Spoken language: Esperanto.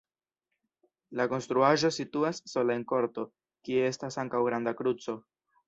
La konstruaĵo situas sola en korto, kie estas ankaŭ granda kruco.